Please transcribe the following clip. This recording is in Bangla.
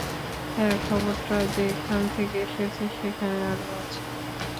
হ্যাঁ, খবরটা যেখান থেকে এসেছে সেখানে আরও আছে।